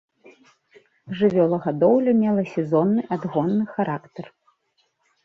Жывёлагадоўля мела сезонны адгонны характар.